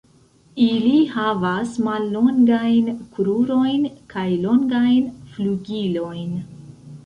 Ili havas mallongajn krurojn kaj longajn flugilojn.